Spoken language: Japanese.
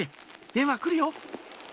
電話来るよ！